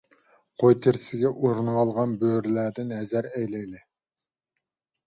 قوي تېرىسىگە ئورىنىۋالغان بۆرىلەردىن ھەزەر ئەيلەيلى.